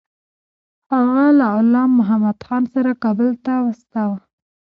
هغه له غلام محمدخان سره کابل ته واستاوه.